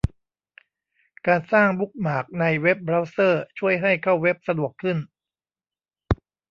การสร้างบุ๊คมาร์คในเว็บเบราว์เซอร์ช่วยให้เข้าเว็บสะดวกขึ้น